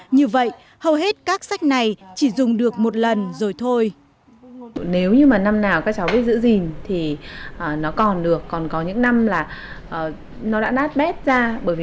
như vậy hầu hết các sách này chỉ dùng được một lần rồi thôi